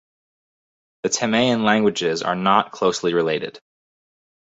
The Temein languages are not closely related.